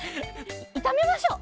いためましょう！